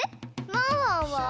ワンワンは？